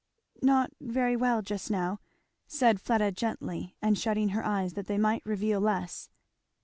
"Not very well, just now," said Fleda gently, and shutting her eyes that they might reveal less.